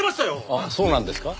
あっそうなんですか？